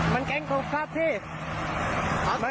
มันแก๊งโครฟทรัพย์พี่